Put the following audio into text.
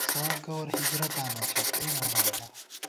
ساف گوَر ہجرتاں نېسوت، اےمونہ اللہ